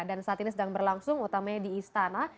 saat ini sedang berlangsung utamanya di istana